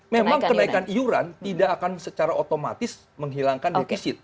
memang kenaikan iuran tidak akan secara otomatis menghilangkan defisit